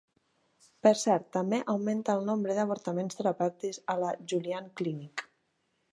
Per cert, també augmenta el nombre d'avortaments terapèutics a la Julian Clinic.